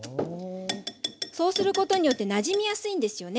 そうすることによってなじみやすいんですよね。